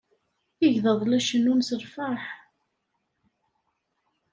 Igḍaḍ la cennun s lfeṛḥ.